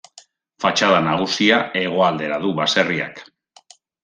Fatxada nagusia hegoaldera du baserriak.